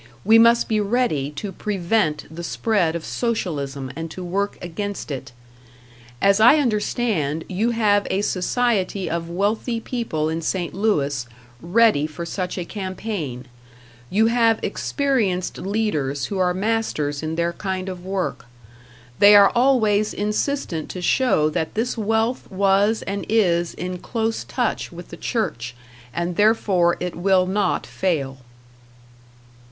We must be ready to prevent the spread of Socialism and to work against it. As I understand, you have a society of wealthy people in St. Louis ready for such a campaign. You have experienced leaders who are masters in their kind of work. They are always insistent to show that this wealth was and is in close touch with the Church, and therefore it will not fail.